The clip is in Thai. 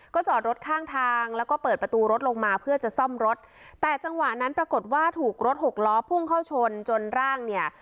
จอดรถข้างทางแล้วก็เปิดประตูรถลงมาเพื่อจะซ่อมรถแต่จังหวะนั้นปรากฏว่าถูกรถหกล้อพุ่งเข้าชนจนร่างเนี่ย